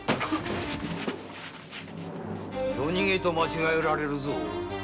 夜逃げと間違われるぞ。